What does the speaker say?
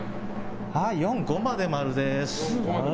４、５まで丸です。